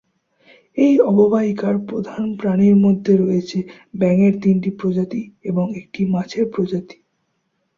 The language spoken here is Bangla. এই অববাহিকার প্রধান প্রাণীর মধ্যে রয়েছে ব্যাঙের তিনটি প্রজাতি এবং একটি মাছের প্রজাতি।